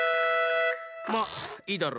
まいいだろ。